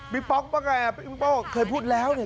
บิ๊กป้อกบ้างไง